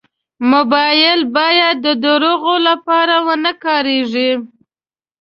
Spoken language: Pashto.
موبایل باید د دروغو لپاره و نه کارېږي.